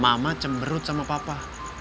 mama cemberut sama papa